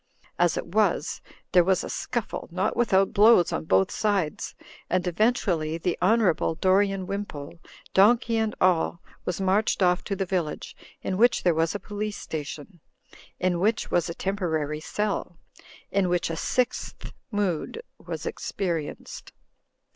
As it was, there was a scuffle, not without blows on both sides, and eventually the Honourable Dorian Wimpole, donkey and all, was marched off to the village, in which there was a Police Station ; in which was a temporary cell ; in which a Sixth Mood was experienced.